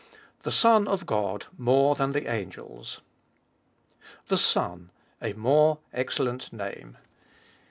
The Son of God more than the Angels. THE SON— A MORE EXCELLENT NAME.